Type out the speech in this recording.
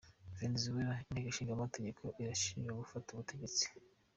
Venezuela: Inteko nshingamategeko irashinjwa gufata ubutegetsi.